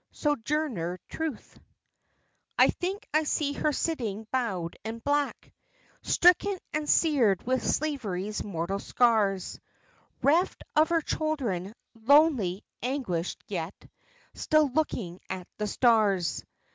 Sojourner Truth. I think I see her sitting bowed and black, Stricken and seared with slavery's mortal scars, Reft of her children, lonely, anguished, yet Still looking at the stars.